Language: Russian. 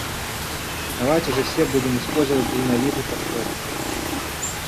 Давайте же все будем использовать дальновидный подход.